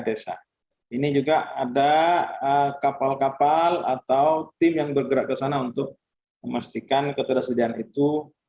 desa ini juga ada kapal kapal atau tim yang bergerak ke sana untuk memastikan ketersediaan itu